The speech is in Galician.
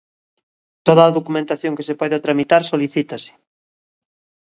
Toda a documentación que se poida tramitar, solicítase.